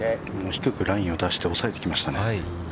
◆低くラインを出して、抑えてきましたね。